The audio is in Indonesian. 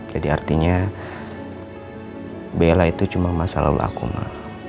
jadi artinya bella itu cuma masa lalu aku ma